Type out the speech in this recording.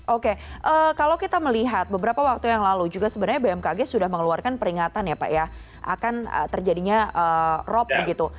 oke kalau kita melihat beberapa waktu yang lalu juga sebenarnya bmkg sudah mengeluarkan peringatan ya pak ya akan terjadinya rop begitu